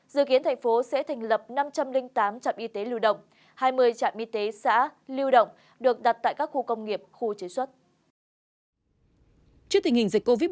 dự kiến thành phố sẽ thành lập năm trăm linh tám trạm y tế lưu động hai mươi trạm y tế xã lưu động được đặt tại các khu công nghiệp khu chế xuất